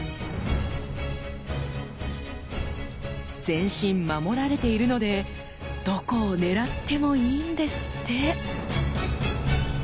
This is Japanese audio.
全身守られているのでどこを狙ってもいいんですって！